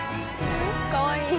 かわいい。